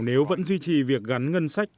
nếu vẫn duy trì việc gắn ngân sách